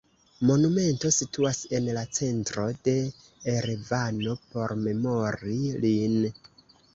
Monumento situas en la centro de Erevano por memori lin.